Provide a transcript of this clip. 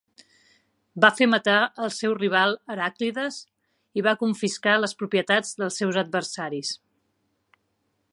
Va fer matar al seu rival Heràclides i va confiscar les propietats dels seus adversaris.